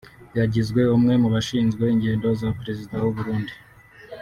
yagizwe umwe mu bashinzwe ingendo za Perezida w’Uburundi